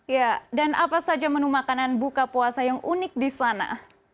ya dan apa saja menu makanan buka puasa yang unik di sana